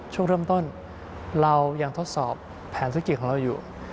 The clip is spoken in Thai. ช่วงเริ่มต้นเรายังทดสอบแผนธุรกิจของเราอยู่